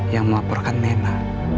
yang melaporkan nena